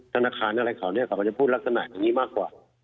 ธนาคารอะไรเขาก็จะพูดลักษณะอย่างนี้มากกว่า